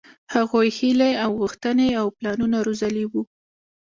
هغوۍ هيلې او غوښتنې او پلانونه روزلي وو.